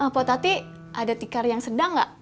pak tati ada tikar yang sedang gak